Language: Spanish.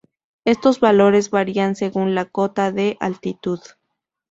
Estos valores varían según la cota de altitud.